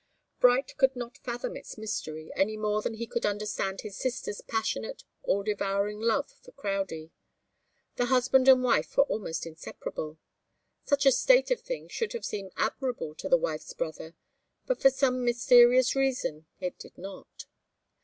Bright could not fathom its mystery, any more than he could understand his sister's passionate, all devouring love for Crowdie. The husband and wife were almost inseparable. Such a state of things should have seemed admirable to the wife's brother, but for some mysterious reason it did not.